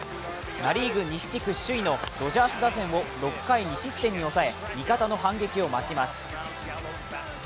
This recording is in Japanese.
ナ・リーグ西地区首位のドジャース打線を６回２失点に抑え、味方の反撃を待ちます。